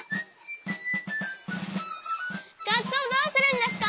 がっそうどうするんですか？